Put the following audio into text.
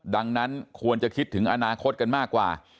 ดังนั้นควรจะคิดถึงอนาคตกันมากกว่า